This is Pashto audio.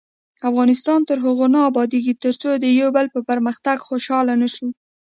افغانستان تر هغو نه ابادیږي، ترڅو د یو بل په پرمختګ خوشحاله نشو.